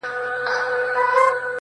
ښایسته د پاچا لور وم پر طالب مینه سومه.!